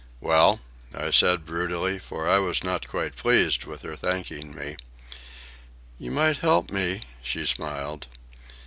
"Well?" I said, brutally, for I was not quite pleased with her thanking me. "You might help me," she smiled.